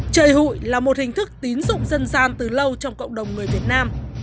chơi hụi là một hình thức tín dụng dân gian từ lâu trong cộng đồng người việt nam